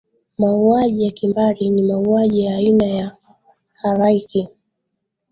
mauaji ya kimbari ni mauaji ya aina ya halaiki